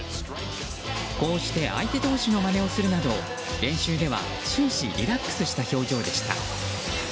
こうして相手投手のまねをするなど練習では終始リラックスした表情でした。